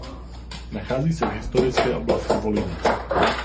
Nachází se v historické oblasti Volyně.